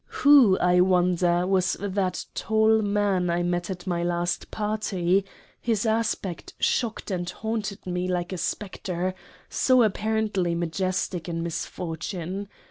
— Who I wonder was that Tall Man I met at my last Party ! his Aspect shocked and haunted me like a Spectre so apparently Majestic in Misfortune.